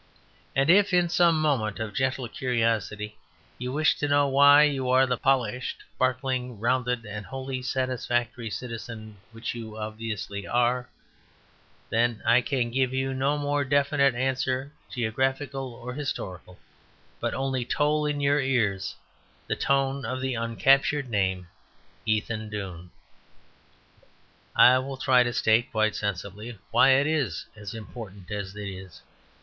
And if in some moment of gentle curiosity you wish to know why you are the polished sparkling, rounded, and wholly satisfactory citizen which you obviously are, then I can give you no more definite answer geographical or historical; but only toll in your ears the tone of the uncaptured name Ethandune. I will try to state quite sensibly why it is as important as it is.